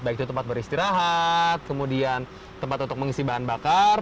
baik itu tempat beristirahat kemudian tempat untuk mengisi bahan bakar